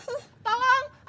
tolong ada yang mau melahirkan